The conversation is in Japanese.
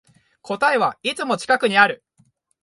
答えはいつも近くにある